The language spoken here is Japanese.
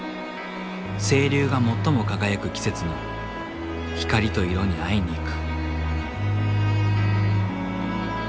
清流が最も輝く季節の光と色に会いに行く。